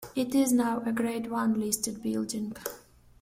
It is now a Grade One listed building.